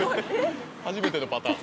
初めてのパターン